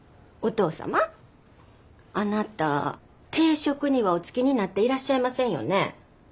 あなた定職にはお就きになっていらっしゃいませんよね。